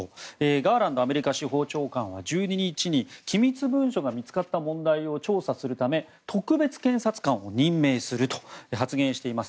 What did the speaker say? ガーランドアメリカ司法長官は１２日に機密文書が見つかった問題を調査するため特別検察官を任命すると発言しています。